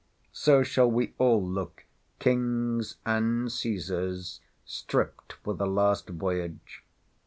So shall we all look—kings, and keysars—stript for the last voyage.